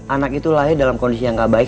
anak itu lahir dalam kondisi yang gak baik